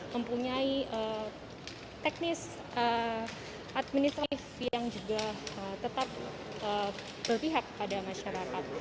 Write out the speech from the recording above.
mempunyai teknis administratif yang juga tetap berpihak pada masyarakat